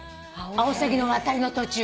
アオサギの渡りの途中。